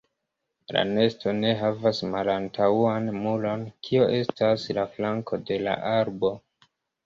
La nesto ne havas malantaŭan muron, kio estas la flanko de la arbo.